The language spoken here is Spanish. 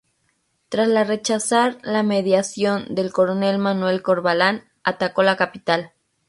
Tras la rechazar la mediación del coronel Manuel Corvalán, atacó la capital.